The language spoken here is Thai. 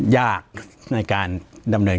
ปากกับภาคภูมิ